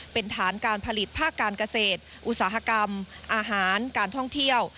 เป็นฐานการผลิตภาคการเกษตรอุตสาหกรรมอาหารการท่องเที่ยว